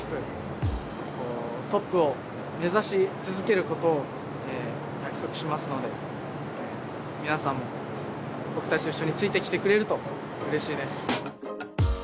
トップを目指し続けることを約束しますので皆さんも僕たちと一緒についてきてくれるとうれしいです。